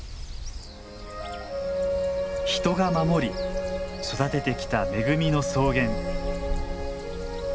人が守り育ててきた恵みの草原。